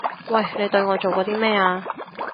喂！你對我做過啲咩啊？